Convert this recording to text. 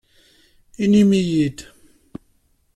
Inim-iyi-d.